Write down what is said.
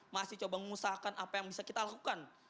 masih coba mengusahakan apa yang bisa kita lakukan